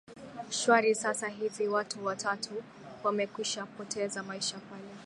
shwari sasa hivi watu watatu wamekwishapoteza maisha pale